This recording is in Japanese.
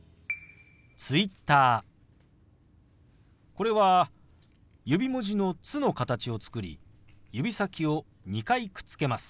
これは指文字の「つ」の形を作り指先を２回くっつけます。